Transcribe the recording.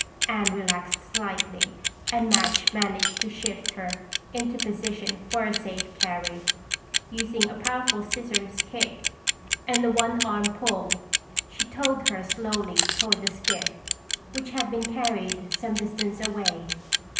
Anne relaxed slightly and Madge managed to shift her into position for a safe carry. Using a powerful scissors kick and a one arm pull, she towed her slowly toward the skiff which had been carried some distance away.